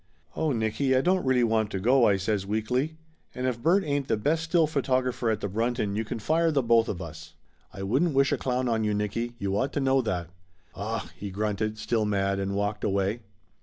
"Oh, Nicky, I don't really want to go!" I says weakly. "And if Bert ain't the best still photographer at the Brunton you can fire the both of us. I wouldn't wish a clown on to you, Nicky, you ought to know that!" "Augh!" he grunted, still mad, and walked away.